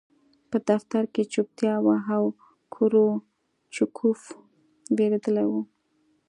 په دفتر کې چوپتیا وه او کروچکوف وېرېدلی و